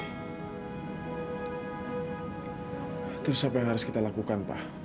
itu siapa yang harus kita lakukan pak